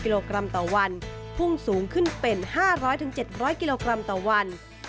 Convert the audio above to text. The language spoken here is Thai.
กิโลกรัมต่อวันพุ่งสูงขึ้นเป็น๕๐๐๗๐๐กิโลกรัมต่อวัน